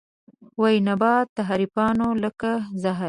وي نبات د حريفانو لکه زهر